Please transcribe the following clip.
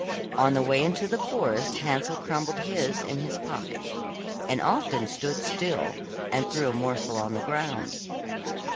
On the way into the forest Hansel crumbled his in his pocket, and often stood still and threw a morsel on the ground.